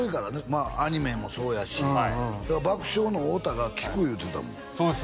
まあアニメもそうやしはい爆笑の太田が聞くいうてたもんそうです